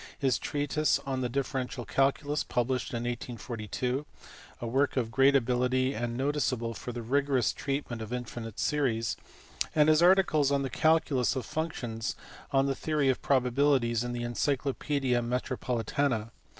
his treatise on the differential calculus published in 1842, a work of great ability and noticeable for the rigorous treatment of infinite series ; and his articles on the calculus of functions and on the theory of probabilities in the Encyclo paedia Metropolitana.